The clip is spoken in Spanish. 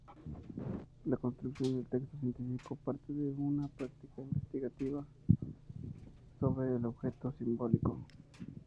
La construcción del texto científico parte de una práctica investigativa sobre el objeto simbólico.